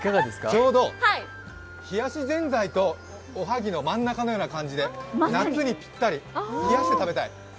ちょうど冷やしぜんざいとおはぎの真ん中のような感じで夏にぴったり、冷やして食べたい。